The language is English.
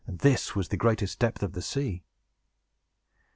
This was the greatest depth of the sea.